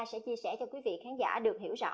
sẽ chia sẻ cho quý vị khán giả được hiểu rõ